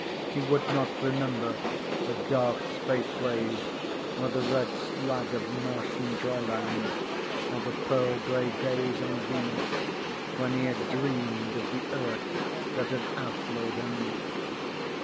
He would not remember the dark spaceways or the red slag of Martian drylands or the pearl gray days on Venus when he had dreamed of the Earth that had outlawed him.